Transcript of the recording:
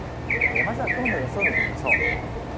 まずは雲の様子を見てみましょう。